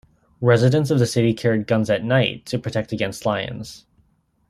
Residents of the city carried guns at night to protect against lions.